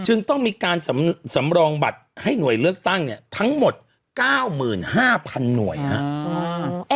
จึงต้องมีการสำรองบัตรให้หน่วยเลือกตั้งเนี้ยทั้งหมดเก้าหมื่นห้าพันหน่วยฮะอืม